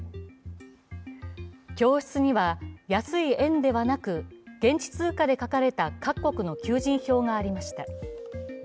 教室には安い円ではなく現地通貨で書かれた各国の求人票がありました。